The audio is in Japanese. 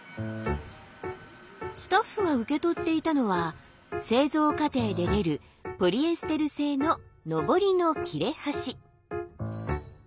スタッフが受け取っていたのは製造過程で出るポリエステル製ののぼりの切れ端。